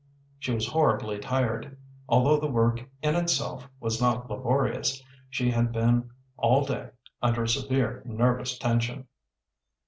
She was horribly tired. Although the work in itself was not laborious, she had been all day under a severe nervous tension.